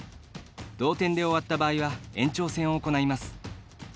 同点で終わった場合は延長戦を行います。